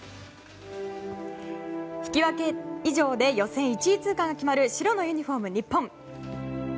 引き分け以上で予選１位通過が決まる白のユニホーム、日本。